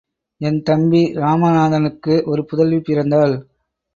என் தம்பி இராமநாதனுக்கு ஒரு புதல்வி பிறந்தாள்.